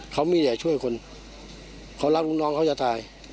เขามีแต่ช่วยคนเขารักลูกน้องเขาจะตาย